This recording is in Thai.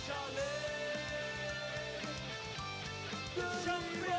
ช้องเพลินชาเล่ม